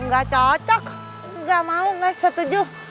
gak cocok gak mau gak setuju